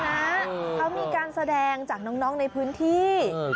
เขามีการแสดงจากน้องในพื้นที่